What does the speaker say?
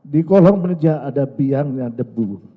di kolong meja ada biangnya debu